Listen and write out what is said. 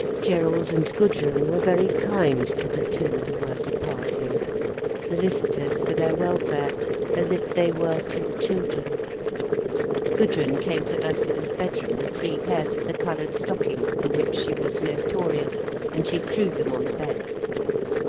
Gerald and Gudrun were very kind to the two who were departing, solicitous for their welfare as if they were two children. Gudrun came to Ursula's bedroom with three pairs of the coloured stockings for which she was notorious, and she threw them on the bed.